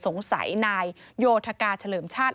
สงสัยนายโยธกาเฉลิมชาติ